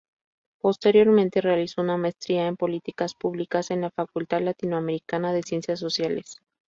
Posteriormente realizó una maestría en políticas públicas en la Facultad Latinoamericana de Ciencias Sociales.